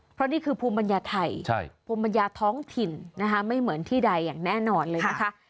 เพราะนี่คือภูมิปัญญาไทยภูมิปัญญาท้องถิ่นนะคะไม่เหมือนที่ใดอย่างแน่นอนเลยนะคะ